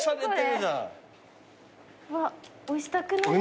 うわ押したくなる。